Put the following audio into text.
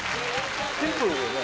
シンプルよね